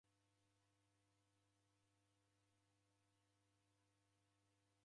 Aha deka na vindo.